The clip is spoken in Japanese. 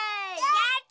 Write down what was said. やった！